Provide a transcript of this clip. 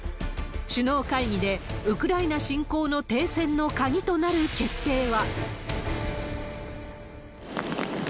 首脳会議で、ウクライナ侵攻の停戦の鍵となる決定は。